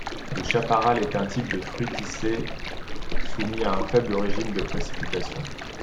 Le chaparral est un type de fruticée soumis à un faible régime de précipitations.